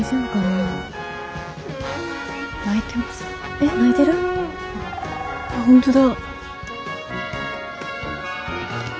あっ本当だ。